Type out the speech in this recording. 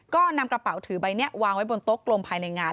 ก็นำกระเป๋าถือใบนี้วางไว้บนโต๊ะกลมภายในงาน